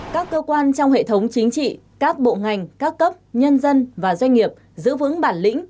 các cơ quan trong hệ thống chính trị các bộ ngành các cấp nhân dân và doanh nghiệp giữ vững bản lĩnh